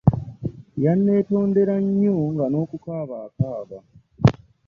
Yanneetondera nnyo nga n'okukaaba akaaba.